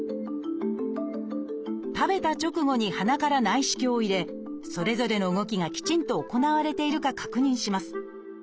食べた直後に鼻から内視鏡を入れそれぞれの動きがきちんと行われているか確認します。